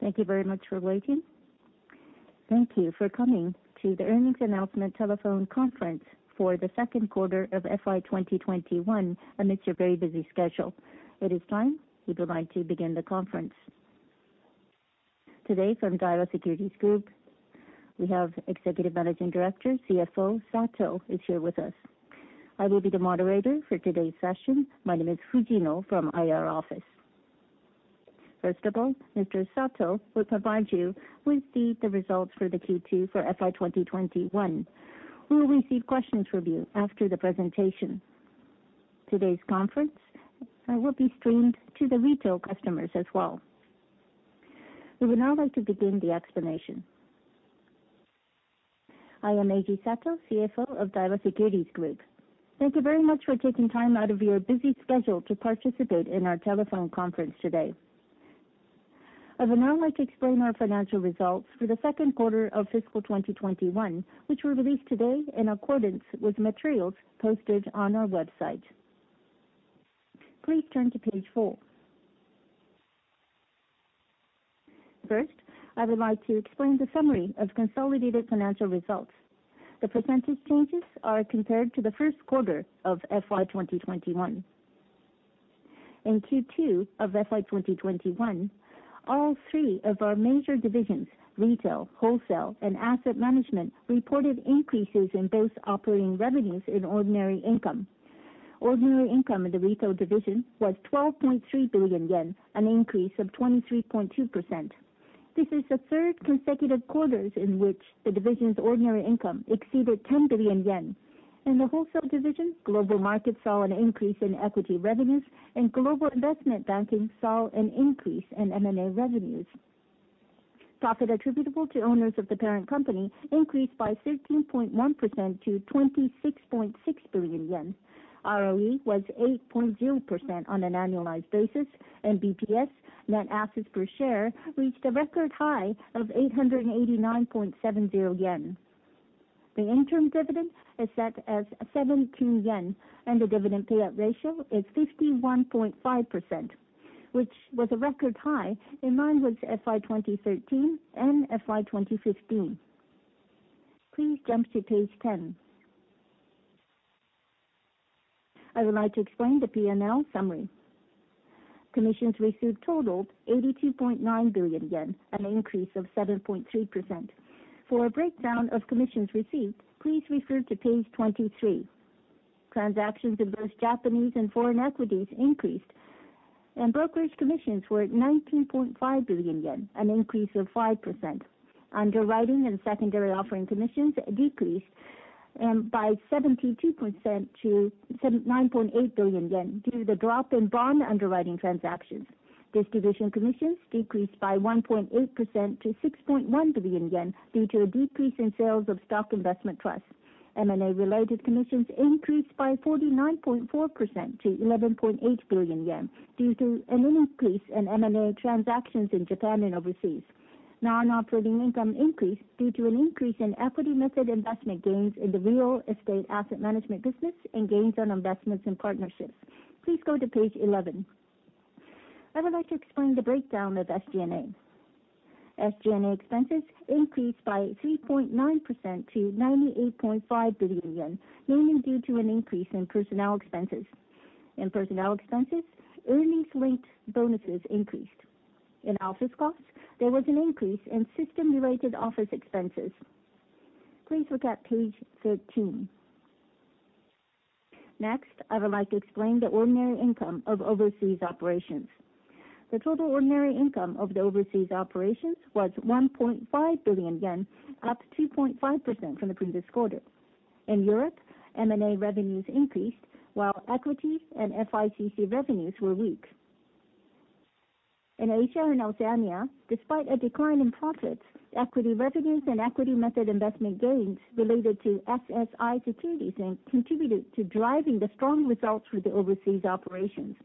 Thank you very much for waiting. Thank you for coming to the earnings announcement telephone conference for the second quarter of FY 2021 amidst your very busy schedule. It is time. We'd like to begin the conference. Today from Daiwa Securities Group, we have Managing Executive Officer and CFO Eiji Sato here with us. I will be the moderator for today's session. My name is Fujino from IR office. First of all, Mr. Sato will provide you with the results for the Q2 for FY 2021. We will receive questions from you after the presentation. Today's conference will be streamed to the retail customers as well. We would now like to begin the explanation. I am Eiji Sato, CFO of Daiwa Securities Group. Thank you very much for taking time out of your busy schedule to participate in our telephone conference today. I would now like to explain our financial results for the second quarter of FY 2021, which were released today in accordance with materials posted on our website. Please turn to page four. First, I would like to explain the summary of consolidated financial results. The percentage changes are compared to the first quarter of FY 2021. In Q2 of FY 2021, all three of our major divisions, Retail, Wholesale, and Asset Management, reported increases in both operating revenues and ordinary income. Ordinary income in the Retail Division was 12.3 billion yen, an increase of 23.2%. This is the third consecutive quarters in which the division's ordinary income exceeded 10 billion yen. In the Wholesale Division, global markets saw an increase in equity revenues and global investment banking saw an increase in M&A revenues. Profit attributable to owners of the parent company increased by 13.1% to 26.6 billion yen. ROE was 8.0% on an annualized basis, and BPS, net assets per share, reached a record high of 889.70 yen. The interim dividend is set as 17 yen, and the dividend payout ratio is 51.5%, which was a record high in line with FY 2013 and FY 2015. Please jump to page 10. I would like to explain the P&L summary. Commissions received totaled 82.9 billion yen, an increase of 7.3%. For a breakdown of commissions received, please refer to page 23. Transactions in both Japanese and foreign equities increased, and brokerage commissions were 19.5 billion yen, an increase of 5%. Underwriting and secondary offering commissions decreased by 72% to 7.9 billion yen due to the drop in bond underwriting transactions. Distribution commissions decreased by 1.8% to 6.1 billion yen due to a decrease in sales of stock investment trusts. M&A-related commissions increased by 49.4% to 11.8 billion yen due to an increase in M&A transactions in Japan and overseas. Non-operating income increased due to an increase in equity method investment gains in the real estate asset management business and gains on investments in partnerships. Please go to page 11. I would like to explain the breakdown of SG&A. SG&A expenses increased by 3.9% to 98.5 billion yen, mainly due to an increase in personnel expenses. In personnel expenses, earnings-linked bonuses increased. In office costs, there was an increase in system-related office expenses. Please look at page 13. Next, I would like to explain the ordinary income of overseas operations. The total ordinary income of the overseas operations was 1.5 billion yen, up 2.5% from the previous quarter. In Europe, M&A revenues increased while equities and FICC revenues were weak. In Asia and Oceania, despite a decline in profits, equity revenues and equity method investment gains related to SSI Securities and contributed to driving the strong results for the overseas operations.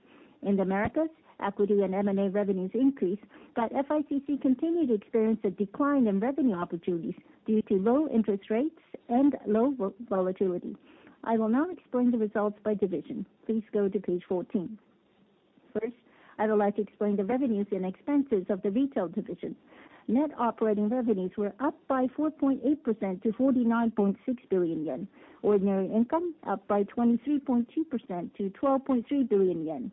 In the Americas, equity and M&A revenues increased, but FICC continued to experience a decline in revenue opportunities due to low interest rates and low volatility. I will now explain the results by division. Please go to page 14. First, I would like to explain the revenues and expenses of the Retail Division. Net operating revenues were up by 4.8% to 49.6 billion yen. Ordinary income up by 23.2% to 12.3 billion yen.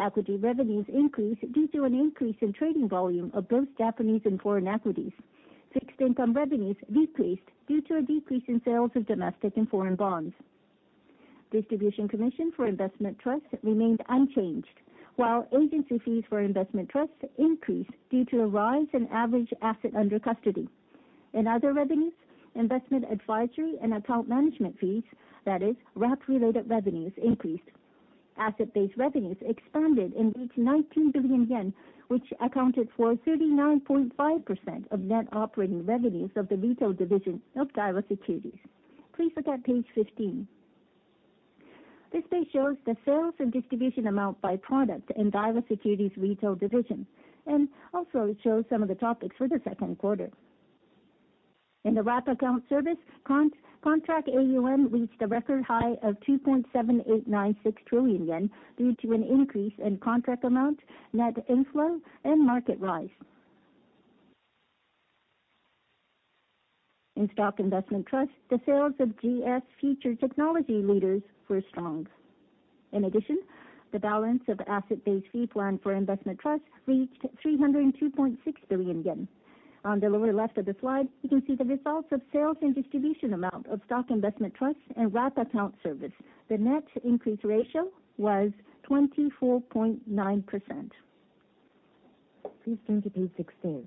Equity revenues increased due to an increase in trading volume of both Japanese and foreign equities. Fixed income revenues decreased due to a decrease in sales of domestic and foreign bonds. Distribution commission for investment trusts remained unchanged, while agency fees for investment trusts increased due to a rise in average assets under custody. In other revenues, investment advisory and account management fees, that is, wrap-related revenues, increased. Asset-based revenues expanded and reached 19 billion yen, which accounted for 39.5% of net operating revenues of the Retail Division of Daiwa Securities. Please look at page 15. This page shows the sales and distribution amount by product in Daiwa Securities' Retail Division, and also it shows some of the topics for the second quarter. In the wrap account service, contract AUM reached a record high of 2.7896 trillion yen due to an increase in contract amount, net inflow, and market rise. In stock investment trust, the sales of GS Future Technology Leaders were strong. In addition, the balance of asset-based fee plan for investment trust reached 302.6 billion yen. On the lower left of the slide, you can see the results of sales and distribution amount of stock investment trust and wrap account service. The net increase ratio was 24.9%. Please turn to page 16.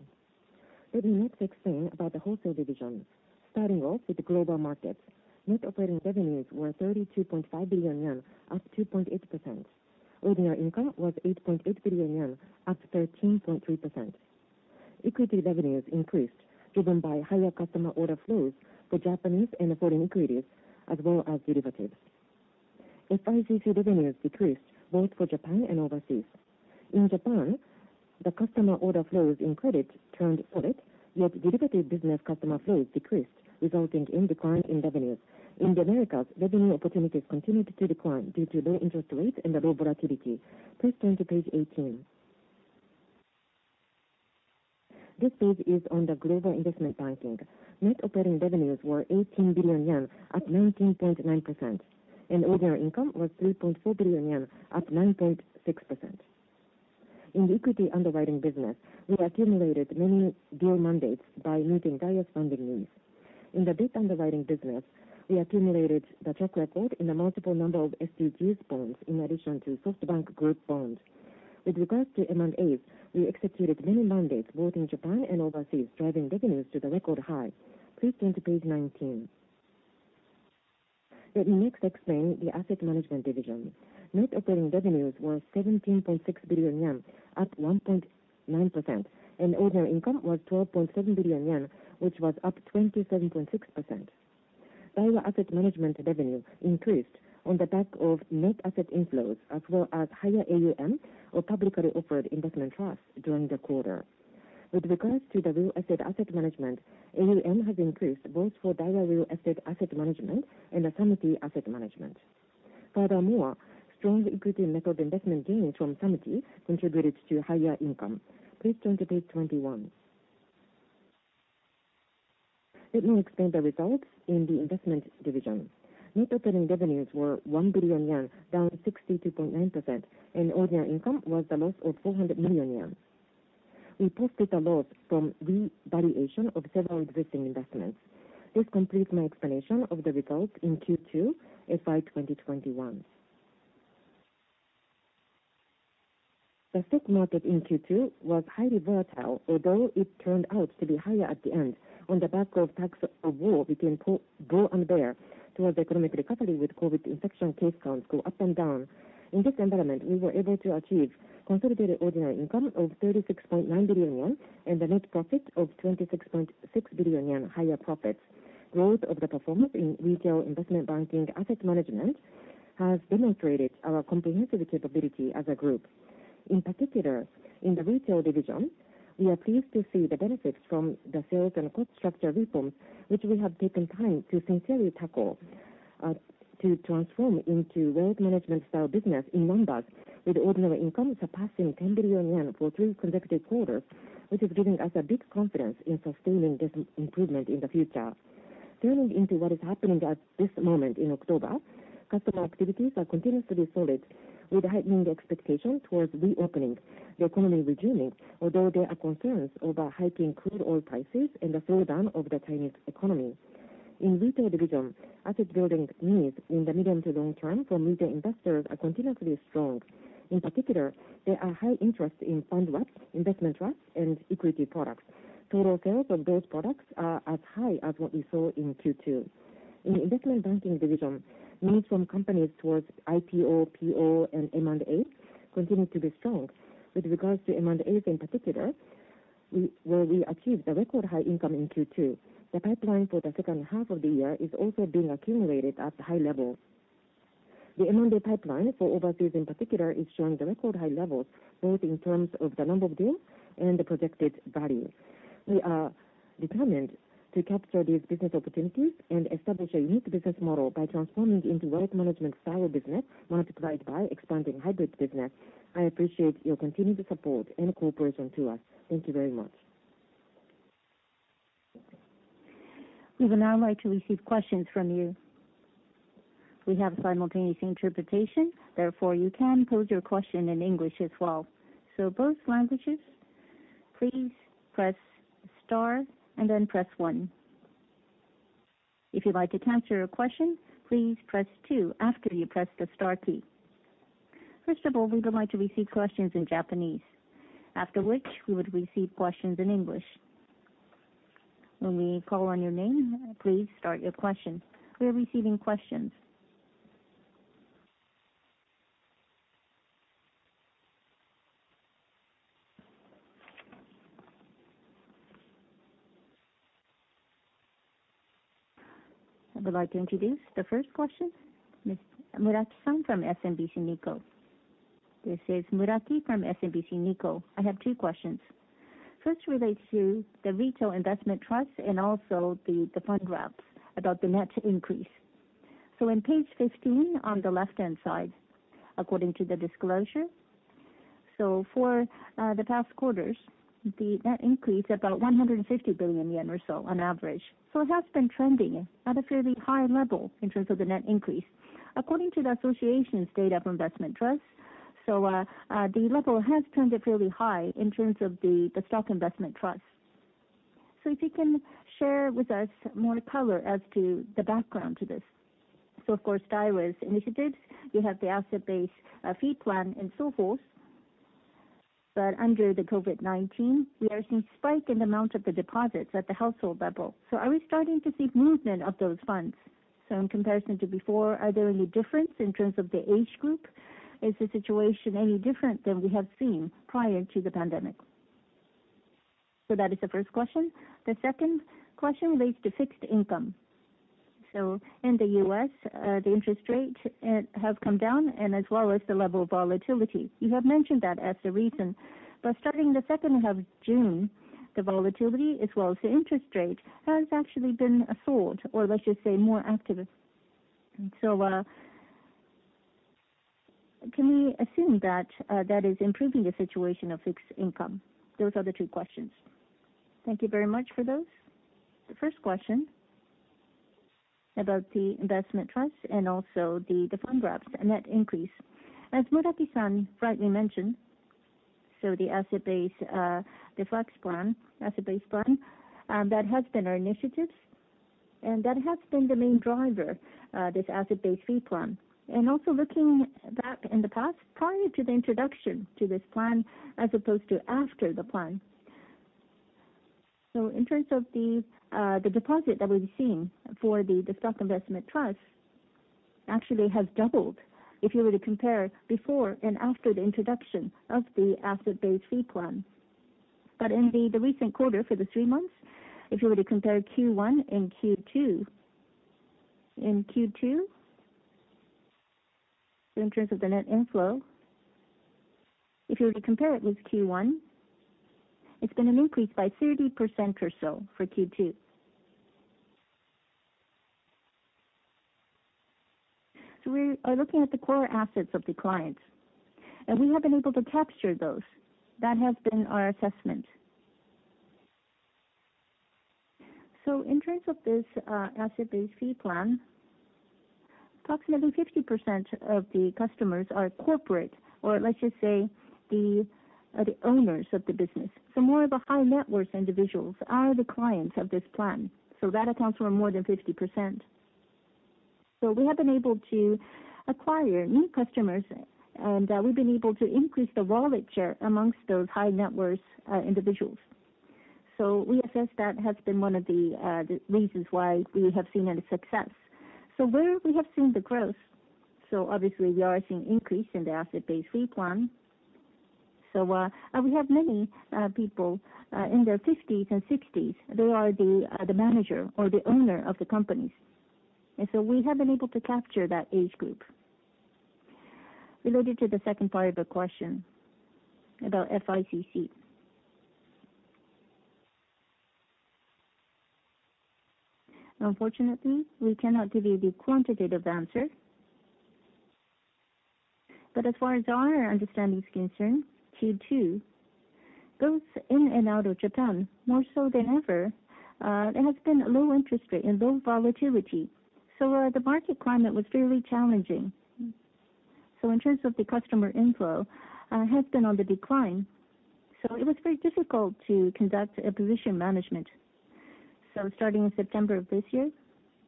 Let me next explain about the Wholesale Division. Starting off with the global markets, net operating revenues were 32.5 billion yen, up 2.8%. Ordinary income was 8.8 billion yen, up 13.3%. Equity revenues increased, driven by higher customer order flows for Japanese and foreign equities as well as derivatives. FICC fee revenues decreased both for Japan and overseas. In Japan, the customer order flows in credit turned solid, yet derivative business customer flows decreased, resulting in decline in revenues. In the Americas, revenue opportunities continued to decline due to low interest rates and the low volatility. Please turn to page 18. This page is on the Global Investment Banking. Net operating revenues were 18 billion yen, up 19.9%, and ordinary income was 3.4 billion yen, up 9.6%. In the equity underwriting business, we accumulated many deal mandates by meeting various funding needs. In the debt underwriting business, we accumulated the track record in a multiple number of SDGs bonds in addition to SoftBank Group bonds. With regards to M&As, we executed many mandates both in Japan and overseas, driving revenues to the record high. Please turn to page 19. Let me next explain the Asset Management Division. Net operating revenues were 17.6 billion yen, up 1.9%, and ordinary income was 12.7 billion yen, which was up 27.6%. Daiwa Asset Management revenue increased on the back of net asset inflows as well as higher AUM or publicly offered investment trusts during the quarter. With regards to the real asset management, AUM has increased both for Daiwa Real Estate Asset Management and Samty Asset Management. Furthermore, strong equity method investment gains from Sompo contributed to higher income. Please turn to page 21. Let me explain the results in the Investment Division. Net operating revenues were 1 billion yen, down 62.9%, and ordinary income was a loss of 400 million yen. We posted a loss from revaluation of several existing investments. This completes my explanation of the results in Q2 FY2021. The stock market in Q2 was highly volatile, although it turned out to be higher at the end on the back of tug of war between bull and bear towards economic recovery with COVID infection case counts going up and down. In this environment, we were able to achieve consolidated ordinary income of 36.9 billion yen and a net profit of 26.6 billion yen higher profits. Growth of the performance in retail investment banking asset management has demonstrated our comprehensive capability as a group. In particular, in the Retail Division, we are pleased to see the benefits from the sales and cost structure reforms which we have taken time to sincerely tackle to transform into wealth management style business in one go, with ordinary income surpassing 10 billion yen for three consecutive quarters, which is giving us a big confidence in sustaining this improvement in the future. Turning to what is happening at this moment in October, customer activities are continuing to be solid with heightening the expectation towards reopening the economy resuming, although there are concerns over hiking crude oil prices and the slowdown of the Chinese economy. In Retail Division, asset building needs in the medium to long term from retail investors are continuously strong. In particular, there are high interest in fund wrap, investment wraps, and equity products. Total sales of those products are as high as what we saw in Q2. In the Investment Banking Division, needs from companies towards IPO, PO, and M&A continue to be strong. With regards to M&As in particular, where we achieved a record high income in Q2. The pipeline for the second half of the year is also being accumulated at high levels. The M&A pipeline for overseas in particular is showing the record high levels, both in terms of the number of deals and the projected value. We are determined to capture these business opportunities and establish a unique business model by transforming into wealth management style business multiplied by expanding hybrid business. I appreciate your continued support and cooperation to us. Thank you very much. I would like to introduce the first question, Muraki-san from SMBC Nikko. This is Muraki from SMBC Nikko. I have two questions. First relates to the retail investment trust and also the fund wraps about the net increase. In page 15 on the left-hand side, according to the disclosure, for the past quarters, the net increase about 150 billion yen or so on average. It has been trending at a fairly high level in terms of the net increase. According to the association's data of investment trust, the level has turned fairly high in terms of the stock investment trust. If you can share with us more color as to the background to this. Of course, Daiwa's initiatives, you have the asset-based fee plan and so forth, but under the COVID-19, we are seeing spike in the amount of the deposits at the household level. Are we starting to see movement of those funds? In comparison to before, are there any difference in terms of the age group? Is the situation any different than we have seen prior to the pandemic? That is the first question. The second question relates to fixed income. In the U.S., the interest rate have come down and as well as the level of volatility. You have mentioned that as the reason, but starting the second half June, the volatility as well as the interest rate has actually been a sort, or let's just say more active. Can we assume that, that is improving the situation of fixed income? Those are the two questions. Thank you very much for those. The first question about the investment trust and also the fund wrap and net increase. As Muraki-san rightly mentioned, the asset-based fee plan that has been our initiatives, and that has been the main driver, this asset-based fee plan. Also looking back in the past, prior to the introduction to this plan, as opposed to after the plan. In terms of the deposit that we've seen for the stock investment trust actually has doubled if you were to compare before and after the introduction of the asset-based fee plan. In the recent quarter for the three months, if you were to compare Q1 and Q2, in Q2, in terms of the net inflow, if you were to compare it with Q1, it's been an increase by 30% or so for Q2. We are looking at the core assets of the clients, and we have been able to capture those. That has been our assessment. In terms of this, asset-based fee plan, approximately 50% of the customers are corporate or let's just say the owners of the business. More of a high net worth individuals are the clients of this plan. That accounts for more than 50%. We have been able to acquire new customers, and we've been able to increase the wallet share amongst those high net worth individuals. We assess that has been one of the reasons why we have seen any success. Where we have seen the growth, obviously we are seeing increase in the asset-based fee plan. We have many people in their fifties and sixties, they are the manager or the owner of the companies. We have been able to capture that age group. Related to the second part of the question about FICC. Unfortunately, we cannot give you the quantitative answer. As far as our understanding is concerned, Q2, both in and out of Japan, more so than ever, there has been low interest rate and low volatility. The market climate was fairly challenging. In terms of the customer inflow, has been on the decline, so it was very difficult to conduct a position management. Starting in September of this year,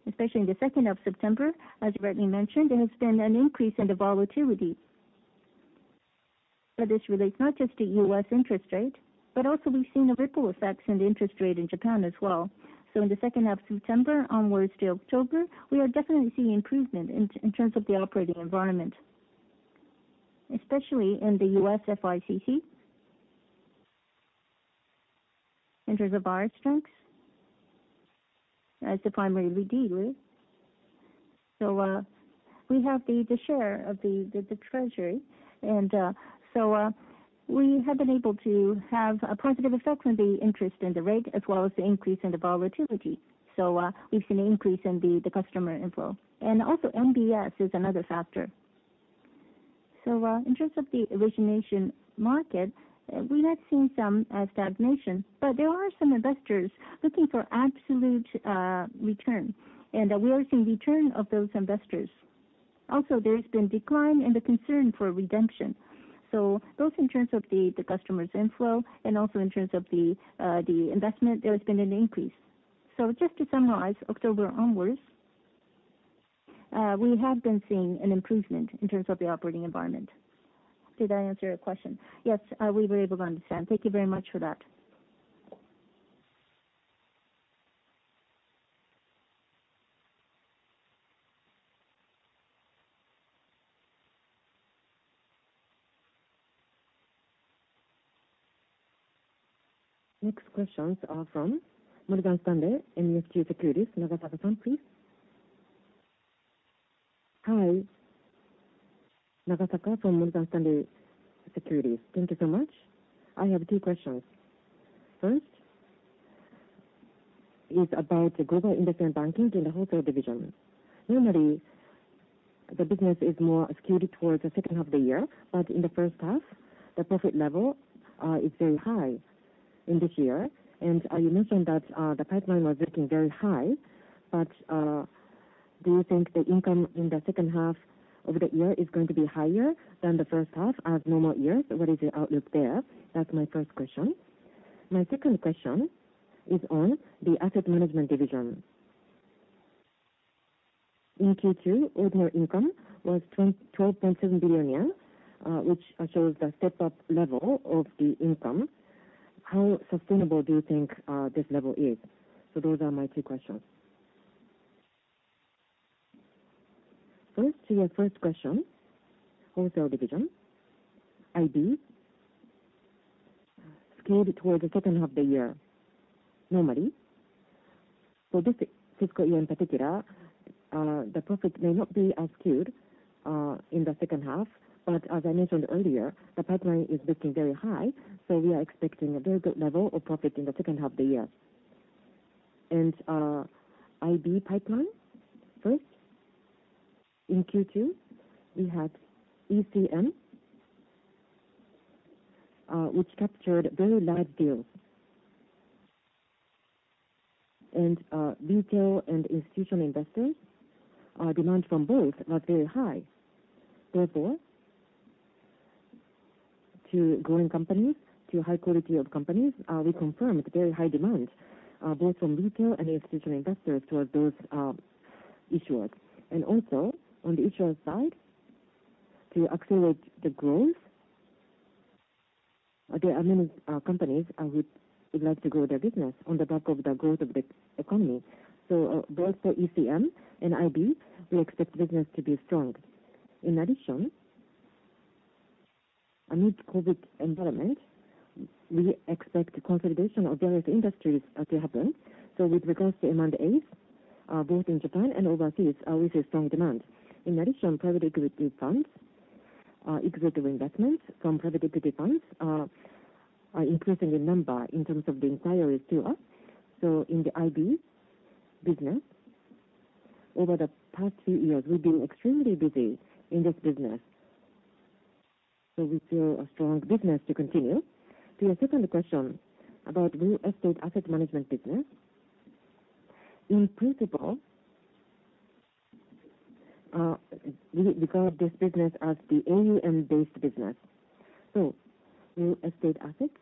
especially in the second half September, as rightly mentioned, there has been an increase in the volatility. This relates not just to U.S. interest rate, but also we've seen a ripple effects in the interest rate in Japan as well. In the second half September onwards to October, we are definitely seeing improvement in terms of the operating environment, especially in the U.S. FICC. In terms of our strengths as the primary dealer, we have the share of the Treasury, and we have been able to have a positive effect on the interest rate as well as the increase in the volatility. We've seen an increase in the customer inflow. Also, MBS is another factor. In terms of the origination market, we have seen some stagnation, but there are some investors looking for absolute return. We are seeing return of those investors. Also, there's been decline in the concern for redemption. Both in terms of the customer's inflow and also in terms of the investment, there has been an increase. Just to summarize, October onwards, we have been seeing an improvement in terms of the operating environment. Did I answer your question? Yes, we were able to understand. Thank you very much for that. Next questions are from Morgan Stanley MUFG Securities, Nagasaka-san, please. Hi. Nagasaka from Morgan Stanley MUFG Securities. Thank you so much. I have two questions. First is about the global investment banking in the wholesale division. Normally, the business is more skewed towards the second half of the year, but in the first half, the profit level is very high in this year. You mentioned that the pipeline was looking very high. Do you think the income in the second half of the year is going to be higher than the first half as normal years? What is your outlook there? That's my first question. My second question is on the Asset Management Division. In Q2, ordinary income was 12.7 billion yen, which shows the step up level of the income. How sustainable do you think this level is? Those are my two questions. First, to your first question, Wholesale Division, IB, skewed towards the second half of the year normally. For this fiscal year in particular, the profit may not be as skewed in the second half. As I mentioned earlier, the pipeline is looking very high, so we are expecting a very good level of profit in the second half of the year. IB pipeline, first, in Q2, we had ECM, which captured very large deals. Retail and institutional investors, demand from both are very high. Therefore, to growing companies, to high quality of companies, we confirm very high demand, both from retail and institutional investors towards those, issuers. Also, on the issuer side, to accelerate the growth, there are many companies who would like to grow their business on the back of the growth of the economy. Both for ECM and IB, we expect business to be strong. In addition, amid COVID environment, we expect consolidation of various industries to happen. With regards to M&A, both in Japan and overseas, we see strong demand. In addition, private equity funds, exit of investments from private equity funds are increasing in number in terms of the inquiries to us. In the IB business, over the past few years, we've been extremely busy in this business. We feel a strong business to continue. To your second question about real estate asset management business. In principle, we call this business as the AUM-based business. Real estate assets,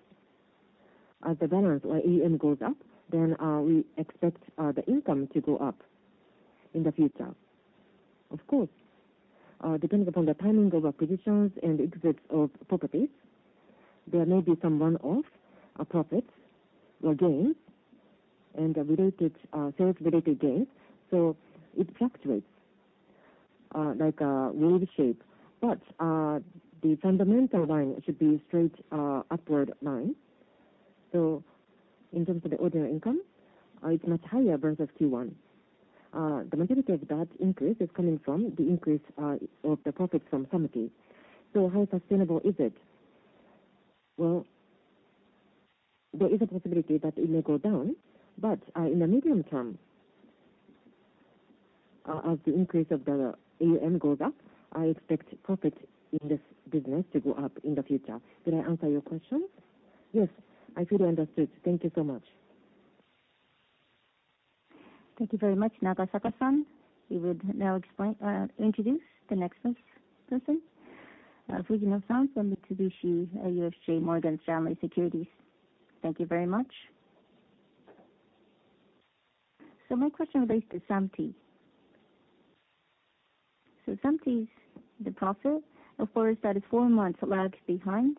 as the balance or AUM goes up, then, we expect the income to go up in the future. Of course, depending upon the timing of acquisitions and exits of properties, there may be some one-off profits or gains and related sales-related gains. It fluctuates like a wave shape. The fundamental line should be straight upward line. In terms of the ordinary income, it's much higher versus Q1. The majority of that increase is coming from the increase of the profits from Samty. How sustainable is it? Well, there is a possibility that it may go down. In the medium term, as the increase of the AUM goes up, I expect profit in this business to go up in the future. Did I answer your question? Yes. I fully understood. Thank you so much. Thank you very much, Nagasaka-san. We would now introduce the next person. Fujino-san from Mitsubishi UFJ Morgan Stanley Securities. Thank you very much. My question relates to Samty. Samty's profit, of course, that is four months lags behind.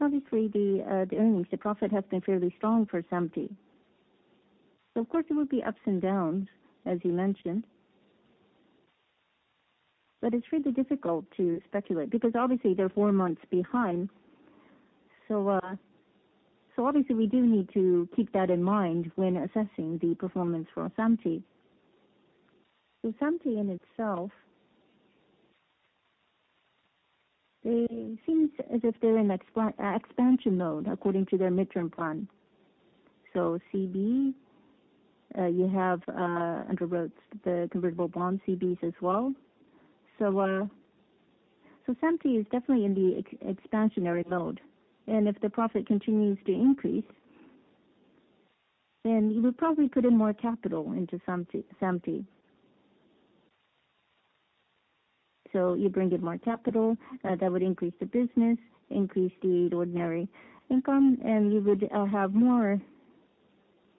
Obviously the earnings, the profit has been fairly strong for Samty. Of course there will be ups and downs, as you mentioned. It's really difficult to speculate because obviously they're four months behind. Obviously we do need to keep that in mind when assessing the performance for Samty. Samty in itself, they seem as if they're in expansion mode according to their midterm plan. CB, you have underwrote the convertible bonds, CBs as well. Samty is definitely in the expansionary mode. If the profit continues to increase, then you would probably put in more capital into Samty. You bring in more capital, that would increase the business, increase the ordinary income, and you would have more.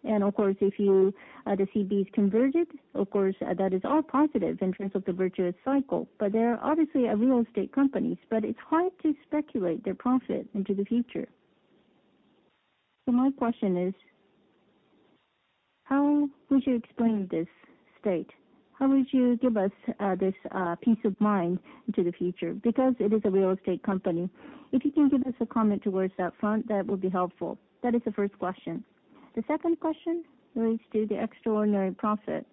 Of course, if the CB is converted, of course that is all positive in terms of the virtuous cycle. They are obviously a real estate company, but it's hard to speculate their profit into the future. My question is, how would you explain this state? How would you give us this peace of mind into the future? Because it is a real estate company. If you can give us a comment towards that front, that will be helpful. That is the first question. The second question relates to the extraordinary profit.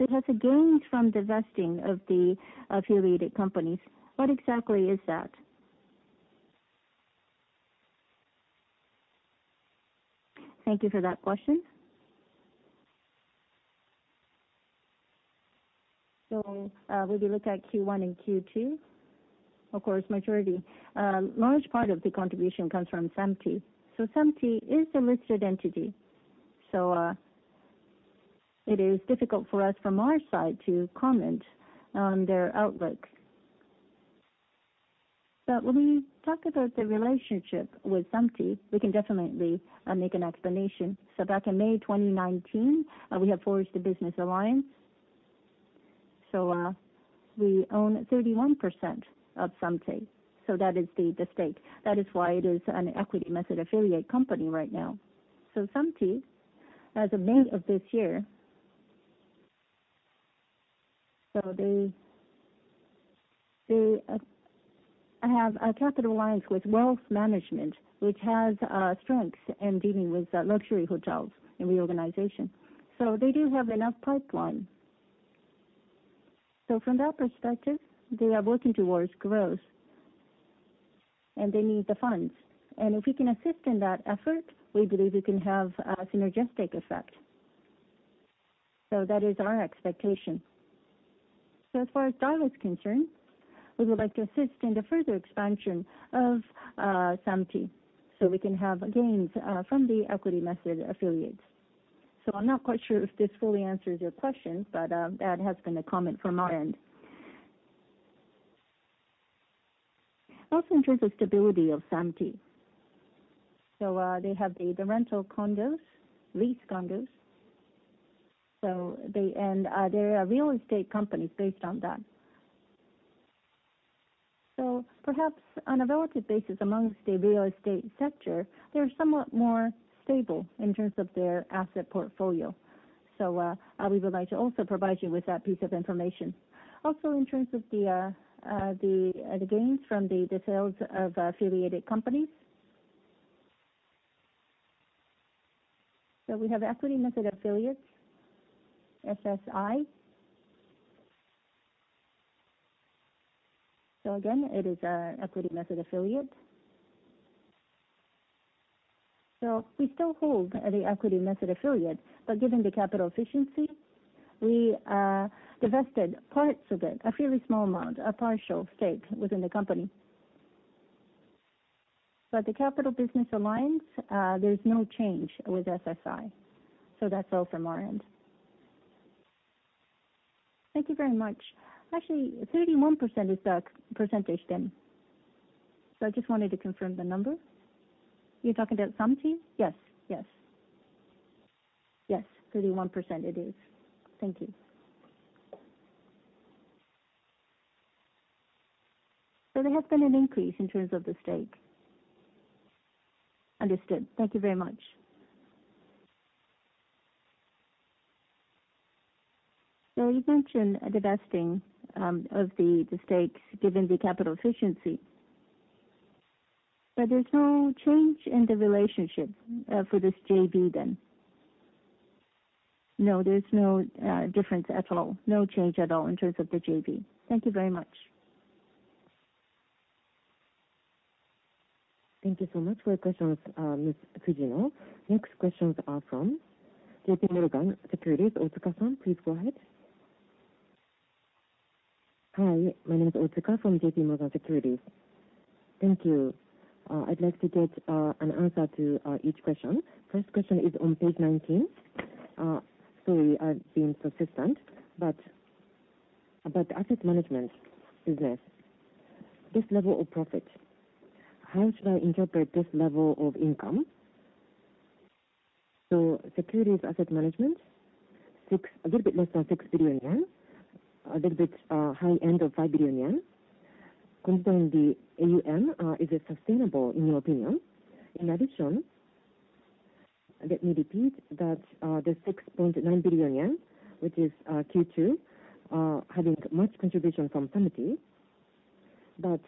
It has gains from divesting of the affiliated companies. What exactly is that? Thank you for that question. When you look at Q1 and Q2, of course, majority, large part of the contribution comes from Samty. Samty is a listed entity, so it is difficult for us from our side to comment on their outlook. When we talk about the relationship with Samty, we can definitely make an explanation. Back in May 2019, we have forged a business alliance, we own 31% of Samty, that is the stake. That is why it is an equity-method affiliate company right now. Samty, as of May of this year, they have a capital alliance with Wealth Management, which has strengths in dealing with luxury hotels and reorganization. They do have enough pipeline. From that perspective, they are working towards growth, and they need the funds. If we can assist in that effort, we believe we can have a synergistic effect. That is our expectation. As far as Daiwa's concerned, we would like to assist in the further expansion of Samty, so we can have gains from the equity method affiliates. I'm not quite sure if this fully answers your question, but that has been a comment from our end. Also in terms of stability of Samty, they have the rental condos, lease condos, so they are real estate companies based on that. Perhaps on a relative basis amongst the real estate sector, they're somewhat more stable in terms of their asset portfolio. We would like to also provide you with that piece of information. Also in terms of the gains from the sales of affiliated companies. We have equity method affiliates, SSI. Again, it is an equity method affiliate. We still hold the equity method affiliate, but given the capital efficiency, we divested parts of it, a fairly small amount, a partial stake within the company. The capital business alliance, there's no change with SSI. That's all from our end. Thank you very much. Actually, 31% is the percentage then? I just wanted to confirm the number. You're talking about Samty? Yes. Yes. Yes. 31% it is. Thank you. There has been an increase in terms of the stake. Understood. Thank you very much. You mentioned divesting of the stakes given the capital efficiency, but there's no change in the relationship for this JV then? No, there's no difference at all. No change at all in terms of the JV. Thank you very much. Thank you so much for your questions, Mr. Fujino. Next questions are from JPMorgan Securities, Otsuka-san, please go ahead. Hi. My name is Otsuka from JPMorgan Securities. Thank you. I'd like to get an answer to each question. First question is on page 19. Sorry, I'm being persistent, but about the asset management business, this level of profit, how should I interpret this level of income? Securities asset management, 6 billion, a little bit less than 6 billion yen, a little bit high end of 5 billion yen. Concerning the AUM, is it sustainable in your opinion? In addition, let me repeat that, the 6.9 billion yen, which is Q2, having much contribution from Samty, but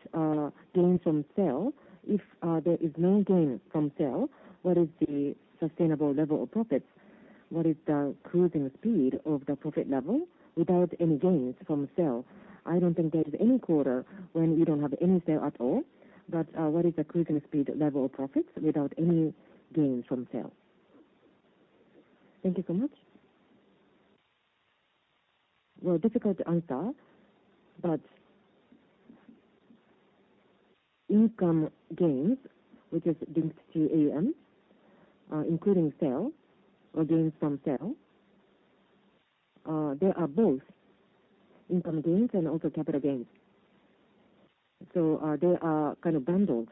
gains from sale, if there is no gain from sale, what is the sustainable level of profits? What is the cruising speed of the profit level without any gains from sale? I don't think there is any quarter when you don't have any sale at all, but, what is the cruising speed level of profits without any gains from sale? Thank you so much. Well, difficult to answer, but income gains, which is linked to AM, including sale or gains from sale, they are both income gains and also capital gains. They are kind of bundled.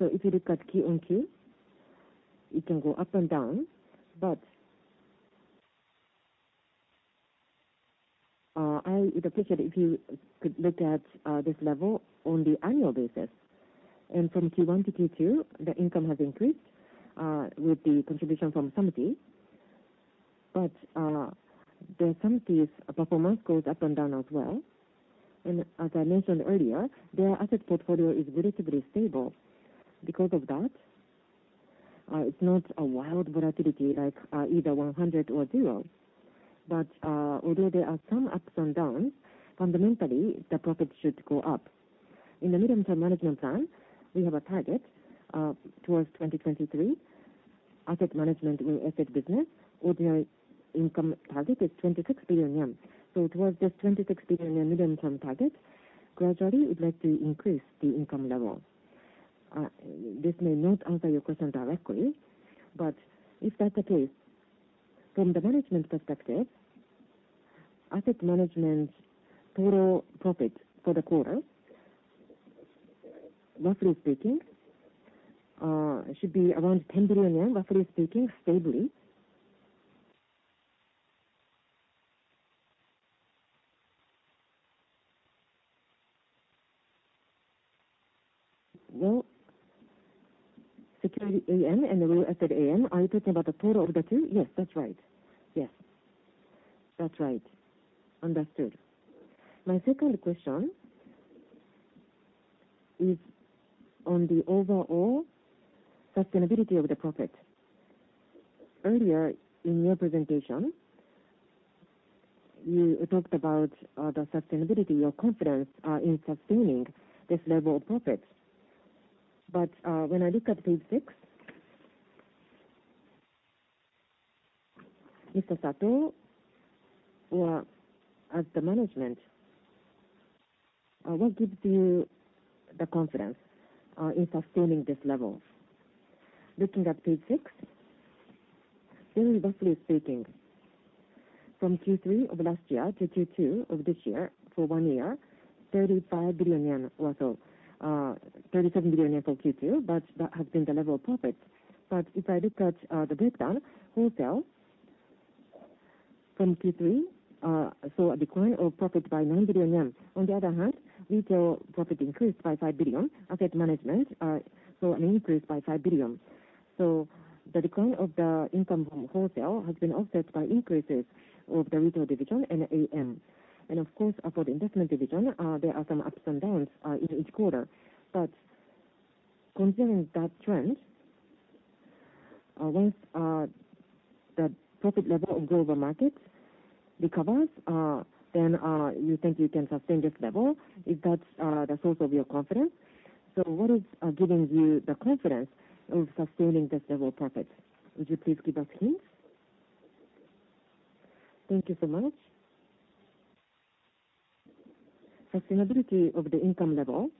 If you look at Q on Q, it can go up and down, but I would appreciate if you could look at this level on the annual basis. From Q1 to Q2, the income has increased with the contribution from Samty. The Samty's performance goes up and down as well. As I mentioned earlier, their asset portfolio is relatively stable. Because of that, it's not a wild volatility like either 100 or zero. Although there are some ups and downs, fundamentally, the profits should go up. In the medium-term management plan, we have a target towards 2023. Asset management with asset business ordinary income target is 26 billion yen. Towards this 26 billion yen medium-term target, gradually we'd like to increase the income level. This may not answer your question directly, but if that's the case, from the management perspective, asset management total profit for the quarter, roughly speaking, should be around 10 billion yen, roughly speaking, stably. Well, Security AM and Real Asset AM, are you talking about the total of the two? Yes, that's right. Yes. That's right. Understood. My second question is on the overall sustainability of the profit. Earlier in your presentation, you talked about the sustainability or confidence in sustaining this level of profits. When I look at page six, Mr. Sato, or as the management, what gives you the confidence in sustaining this level? Looking at page six, very roughly speaking, from Q3 of last year to Q2 of this year, for one year, 35 billion yen or so, 37 billion yen for Q2, but that has been the level of profit. If I look at the breakdown, Wholesale from Q3 saw a decline of profit by 9 billion yen. On the other hand, Retail profit increased by 5 billion. Asset management saw an increase by 5 billion. The decline of the income from Wholesale has been offset by increases of the Retail Division and AM. Of course, for the Investment Division, there are some ups and downs in each quarter. Considering that trend, once the profit level of Global Markets recovers, then you think you can sustain this level if that's the source of your confidence. What is giving you the confidence of sustaining this level of profit? Would you please give us hints? Thank you so much. Sustainability of the income level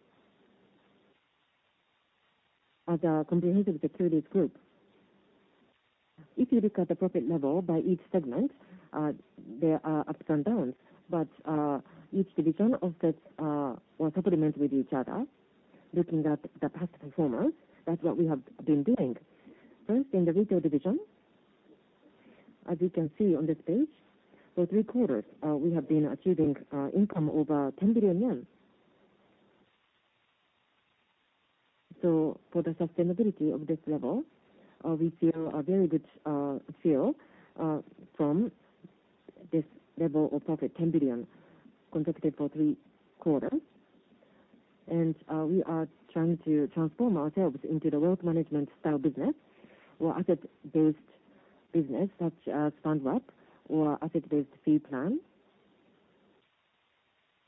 of the comprehensive securities group. If you look at the profit level by each segment, there are ups and downs, but each division offsets or supplements with each other. Looking at the past performance, that's what we have been doing. First, in the Retail Division, as you can see on this page, for three quarters, we have been achieving income over 10 billion yen. For the sustainability of this level, we feel a very good feel from this level of profit, 10 billion, consecutive for three quarters. We are trying to transform ourselves into the wealth management style business or asset-based business such as fund wrap or asset-based fee plan.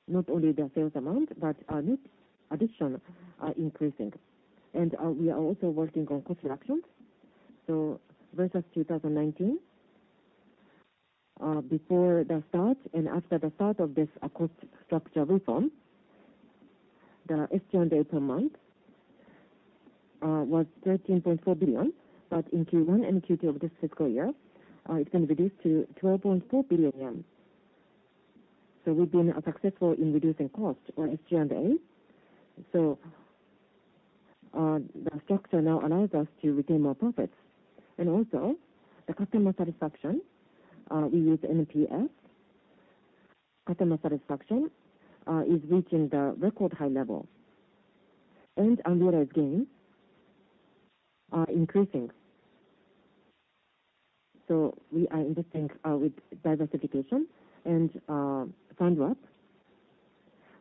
Not only the sales amount, but our net addition are increasing. We are also working on cost reductions. Versus 2019, before the start and after the start of this cost structure reform, the SG&A per month was 13.4 billion, but in Q1 and Q2 of this fiscal year, it's been reduced to 12.4 billion yen. We've been successful in reducing costs or SG&A. The structure now allows us to retain more profits. Also the customer satisfaction, we use NPS. Customer satisfaction is reaching the record high levels. Unrealized gains are increasing. We are investing with diversification and fund wrap.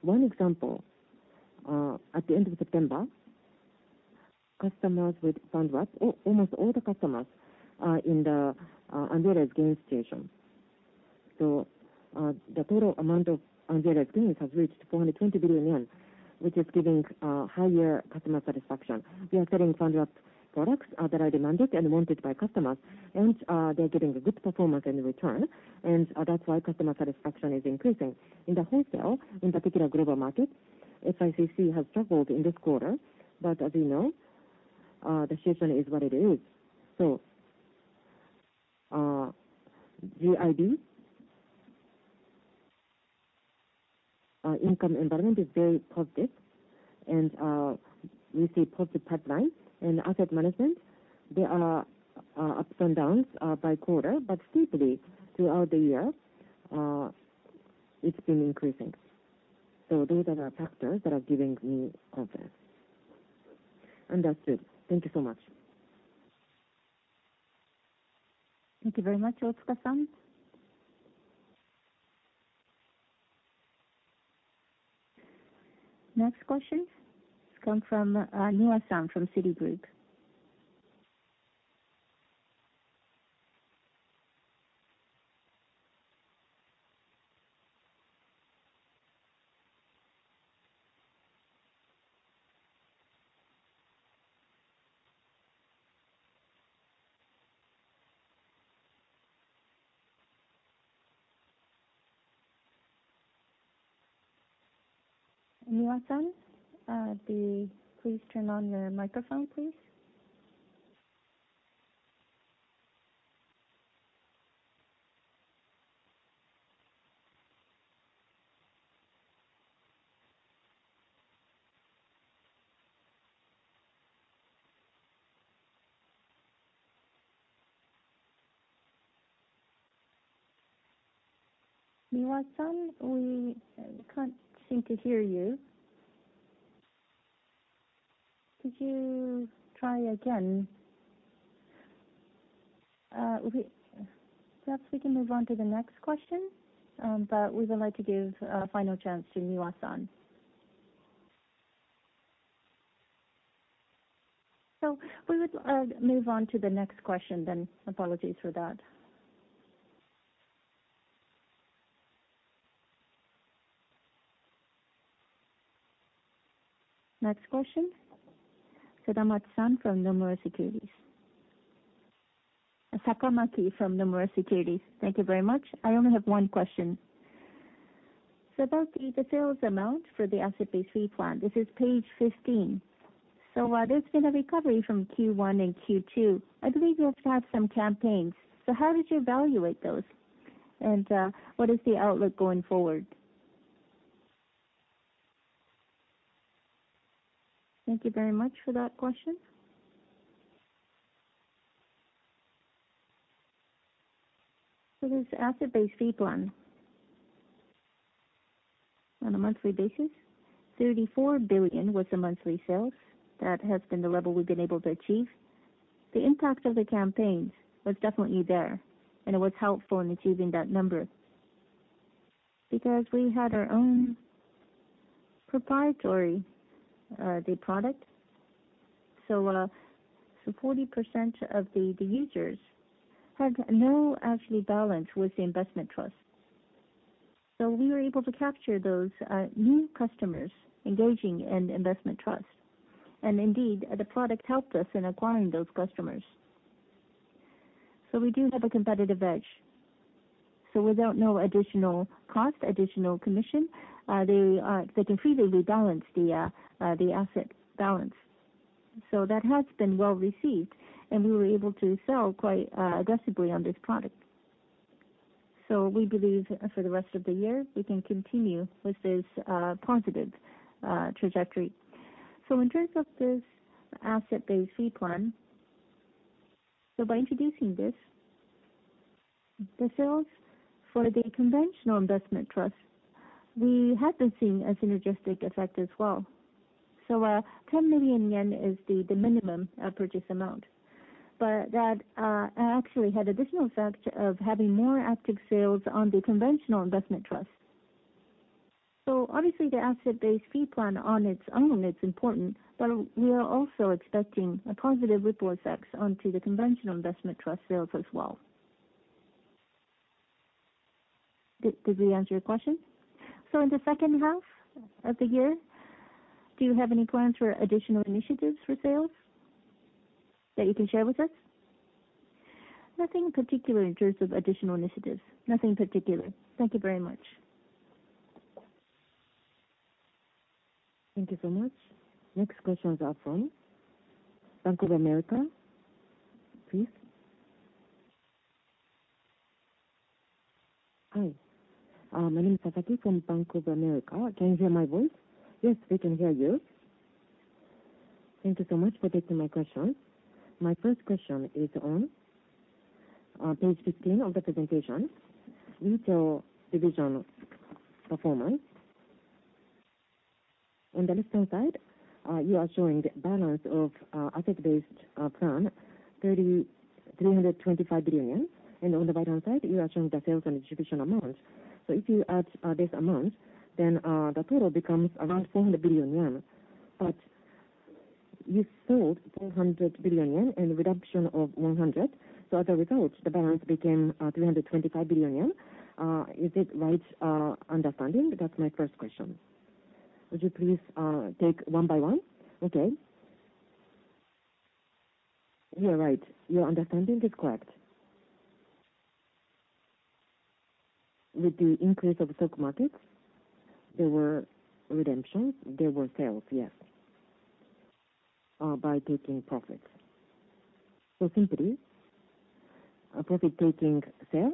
One example, at the end of September, customers with fund wrap, almost all the customers are in the unrealized gain position. The total amount of unrealized gains has reached 420 billion yen, which is giving higher customer satisfaction. We are selling fund wrap products that are demanded and wanted by customers, and they're getting a good performance and return, and that's why customer satisfaction is increasing. In the wholesale, in particular global markets, FICC has struggled in this quarter, but as you know, the situation is what it is. GIB Our income environment is very positive, and we see positive pipeline. In asset management, there are ups and downs by quarter, but steeply throughout the year, it's been increasing. Those are the factors that are giving me confidence. That's it. Thank you so much. Thank you very much, Otsuka-san. Next question comes from Miwa-san from Citigroup. Miwa-san, please turn on your microphone, please. Miwa-san, we can't seem to hear you. Could you try again? Perhaps we can move on to the next question, but we would like to give a final chance to Miwa-san. We would move on to the next question then. Apologies for that. Next question, Sakamaki-san from Nomura Securities. Sakamaki from Nomura Securities. Thank you very much. I only have one question. About the sales amount for the asset-based fee plan. This is page 15. There's been a recovery from Q1 and Q2. I believe you also have some campaigns. How did you evaluate those, and what is the outlook going forward? Thank you very much for that question. This asset-based fee plan, on a monthly basis, 34 billion was the monthly sales. That has been the level we've been able to achieve. The impact of the campaigns was definitely there, and it was helpful in achieving that number. Because we had our own proprietary, the product, so 40% of the users had no actual balance with the investment trust. We were able to capture those new customers engaging in investment trust. Indeed, the product helped us in acquiring those customers. We do have a competitive edge. Without no additional cost, additional commission, they can freely rebalance the asset balance. That has been well received, and we were able to sell quite aggressively on this product. We believe for the rest of the year we can continue with this positive trajectory. In terms of this asset-based fee plan, by introducing this, the sales for the conventional investment trust, we have been seeing a synergistic effect as well. 10 million yen is the minimum purchase amount, but that actually had additional effect of having more active sales on the conventional investment trust. Obviously the asset-based fee plan on its own is important, but we are also expecting a positive ripple effects onto the conventional investment trust sales as well. Did we answer your question? In the second half of the year, do you have any plans for additional initiatives for sales that you can share with us? Nothing particular in terms of additional initiatives. Nothing in particular. Thank you very much. Thank you so much. Next questions are from Bank of America, please. Hi. My name is Sasaki from Bank of America. Can you hear my voice? Yes, we can hear you. Thank you so much for taking my question. My first question is on page 15 of the presentation, Retail Division performance. On the left-hand side, you are showing the balance of asset-based plan, 325 billion. On the right-hand side, you are showing the sales and distribution amount. If you add this amount, then the total becomes around 400 billion yen. You sold 400 billion yen and reduction of 100 billion. As a result, the balance became 325 billion yen. Is it right understanding? That's my first question. Would you please take one by one? Okay. You're right. Your understanding is correct. With the increase of stock markets, there were redemptions. There were sales, yes. By taking profits. Simply a profit-taking sale,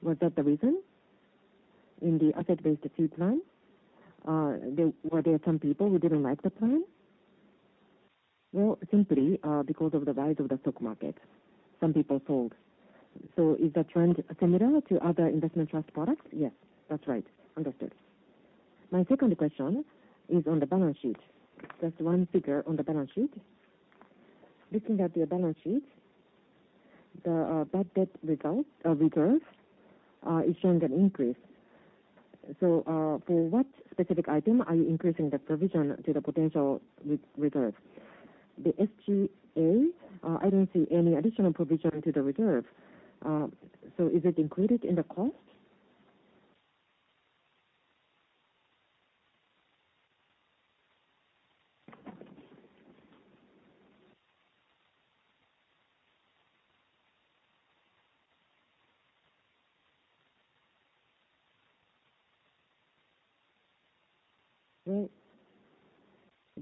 was that the reason? In the asset-based fee plan, were there some people who didn't like the plan? Well, simply, because of the rise of the stock market, some people sold. Is the trend similar to other investment trust products? Yes. That's right. Understood. My second question is on the balance sheet. Just one figure on the balance sheet. Looking at your balance sheet, the bad debt reserve is showing an increase. For what specific item are you increasing the provision to the potential reserve? SG&A, I don't see any additional provision to the reserve. Is it included in the cost?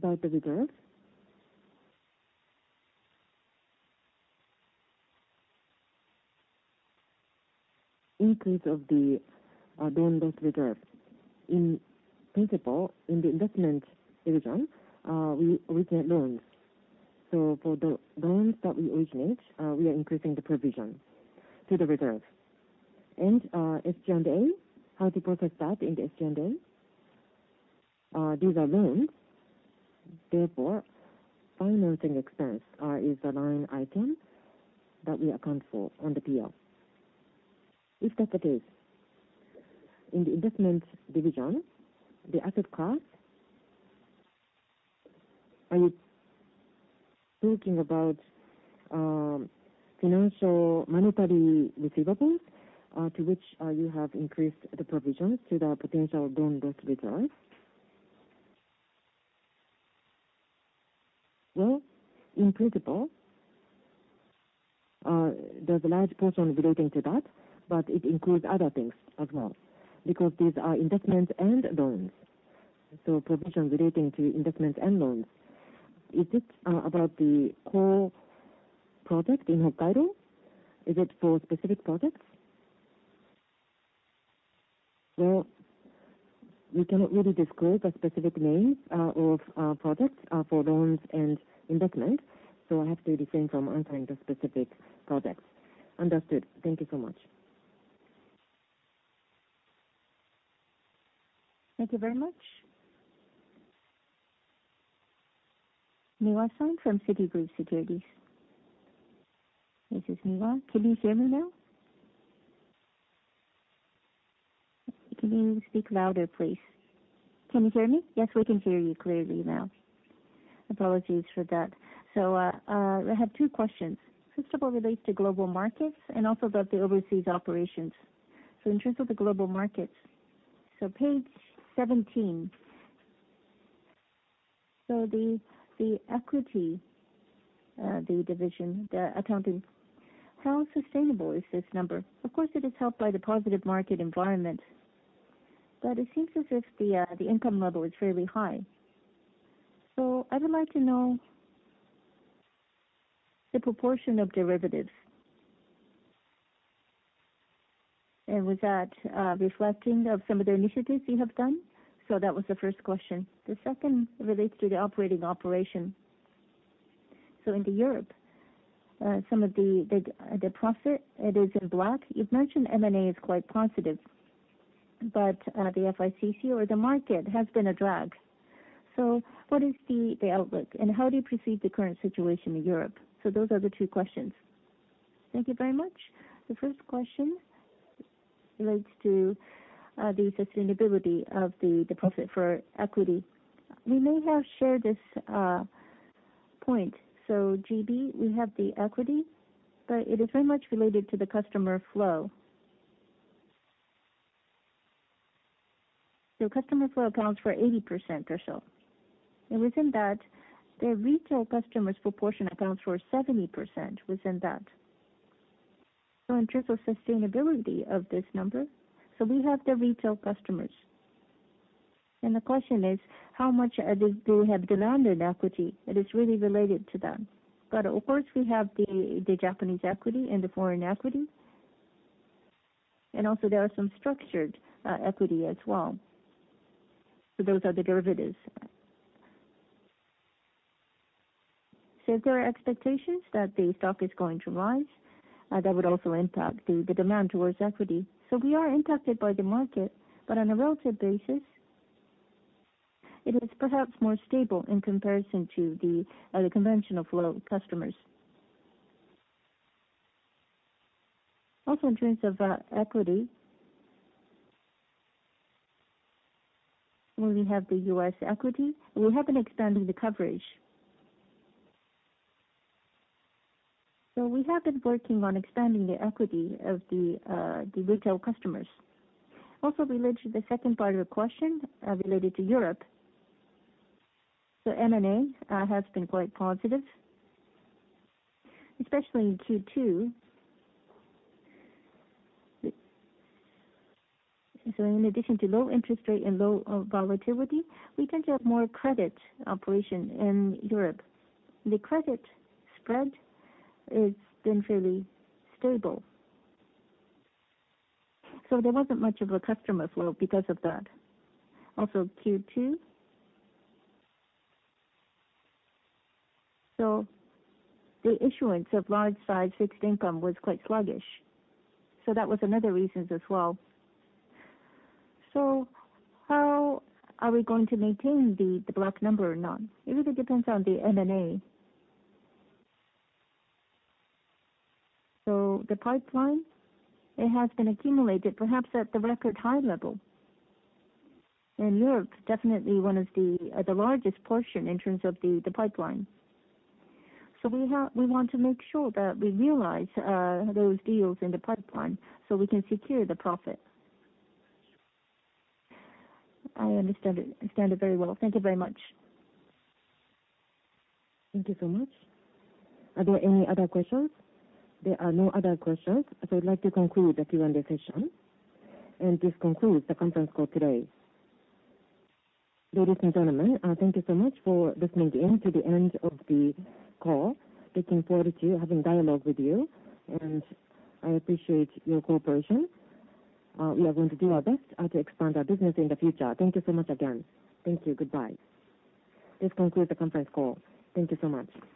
Well, about the reserve increase of the loan loss reserve. In principle, in the Investment Division, we originate loans. For the loans that we originate, we are increasing the provision to the reserve. SG&A, how do you process that in the SG&A? These are loans. Therefore, financing expense is the line item that we account for on the P&L. If that's the case, in the Investment Division, the asset class, are you talking about financial monetary receivables to which you have increased the provision to the potential loan loss reserve? Well, in principle, there's a large portion relating to that, but it includes other things as well, because these are investments and loans, so provisions relating to investments and loans. Is it about the whole project in Hokkaido? Is it for specific projects? Well, we cannot really disclose the specific names of projects for loans and investments, so I have to refrain from outlining the specific projects. Understood. Thank you so much. Thank you very much. Miwa-san from Citigroup Securities. This is Miwa. Can you hear me now? Can you speak louder, please? Can you hear me? Yes, we can hear you clearly now. Apologies for that. I have two questions. First of all, it relates to Global Markets and also about the overseas operations. In terms of the Global Markets, page 17. The equity division accounting, how sustainable is this number? Of course, it is helped by the positive market environment, but it seems as if the income level is fairly high. I would like to know the proportion of derivatives. And was that reflective of some of the initiatives you have done? That was the first question. The second, it relates to the overseas operations. In Europe, some of the profit is in black. You've mentioned M&A is quite positive, but the FICC or the market has been a drag. What is the outlook, and how do you perceive the current situation in Europe? Those are the two questions. Thank you very much. The first question relates to the sustainability of the profit for equity. We may have shared this point. GIB, we have the equity, but it is very much related to the customer flow. Customer flow accounts for 80% or so. And within that, the retail customers' proportion accounts for 70% within that. In terms of sustainability of this number, we have the retail customers. The question is how much do we have demand in equity that is really related to that? Of course, we have the Japanese equity and the foreign equity, and also there are some structured equity as well. Those are the derivatives. If there are expectations that the stock is going to rise, that would also impact the demand towards equity. We are impacted by the market. On a relative basis, it is perhaps more stable in comparison to the conventional flow of customers. Also, in terms of equity, when we have the U.S. equity, we have been expanding the coverage. We have been working on expanding the equity of the retail customers. Also related to the second part of your question, related to Europe. M&A has been quite positive, especially in Q2. In addition to low interest rate and low volatility, we tend to have more credit operation in Europe. The credit spread has been fairly stable. There wasn't much of a customer flow because of that. Also Q2, the issuance of large size fixed income was quite sluggish. That was another reason as well. How are we going to maintain the black number or not? It really depends on the M&A. The pipeline, it has been accumulated perhaps at the record high level. Europe, definitely one of the largest portion in terms of the pipeline. We want to make sure that we realize those deals in the pipeline so we can secure the profit. I understand it. I understand it very well. Thank you very much. Thank you so much. Are there any other questions? There are no other questions, so I'd like to conclude the Q&A session. This concludes the conference call today. Ladies and gentlemen, thank you so much for listening in to the end of the call. Looking forward to having dialogue with you, and I appreciate your cooperation. We are going to do our best to expand our business in the future. Thank you so much again. Thank you. Goodbye. This concludes the conference call. Thank you so much.